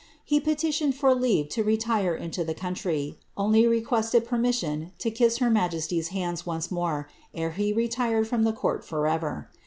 He petitioned for leave to retire into the country, only requested permission to kiss, her majesty's hands once more ere he retired from the court for ever.